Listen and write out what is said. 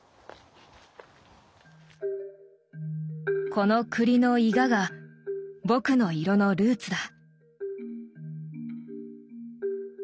この栗のイガが僕の色のルーツだ。